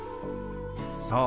そう！